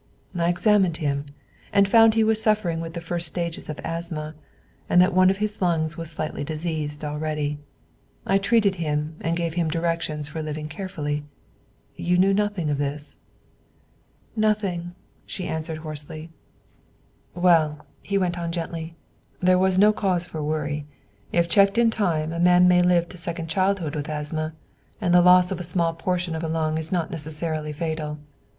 I examined him, and found he was suffering with the first stages of asthma, and that one of his lungs was slightly diseased already. I treated him and gave him directions for living carefully. You knew nothing of this?" "Nothing," she answered hoarsely. "Well," he went on gently, "there was no cause for worry; if checked in time, a man may live to second childhood with asthma, and the loss of a small portion of a lung is not necessarily fatal.